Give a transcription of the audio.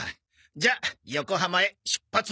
じゃあ横浜へ出発進行！